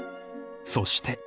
［そして］